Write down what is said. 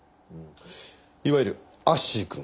いわゆるアッシーくん。